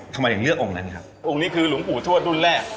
ทำไมถึงเลือกองค์นั้นครับองค์นี้คือหลวงปู่ทวดรุ่นแรก